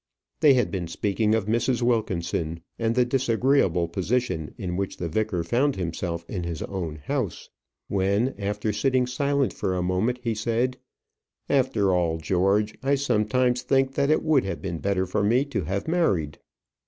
They had been speaking of Mrs. Wilkinson, and the disagreeable position in which the vicar found himself in his own house; when, after sitting silent for a moment, he said, "After all, George, I sometimes think that it would have been better for me to have married."